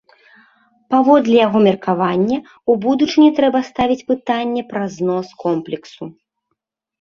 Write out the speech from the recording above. Паводле яго меркавання, у будучыні трэба ставіць пытанне пра знос комплексу.